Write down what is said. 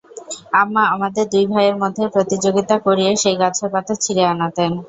আম্মা আমাদের দুই ভাইয়ের মধ্যে প্রতিযোগিতা করিয়ে সেই গাছের পাতা ছিঁড়ে আনাতেন।